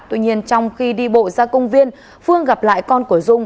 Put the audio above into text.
tuy nhiên trong khi đi bộ ra công viên phương gặp lại con của dung